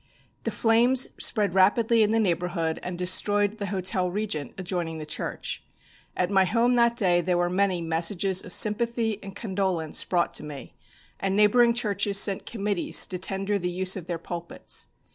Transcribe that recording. The flames spread rapidly in the neighbourhood and destroyed the Hotel Regent, adjoining the church. At my home that day there were many messages of sympathy and condolence brought to me, and neighbouring churches sent committees to tender the use of their pulpits.